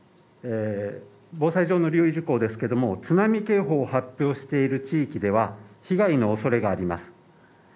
防災上の留意事項ですけども、津波警報を発表している地域では、被害の恐れがあります。